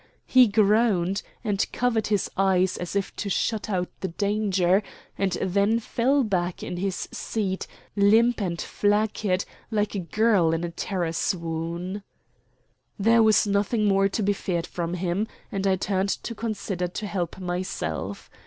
He groaned, and covered his eyes as if to shut out the danger, and then fell back in his seat, limp and flaccid, like a girl in a terror swoon. There was nothing more to be feared from him, and I turned to consider to help myself.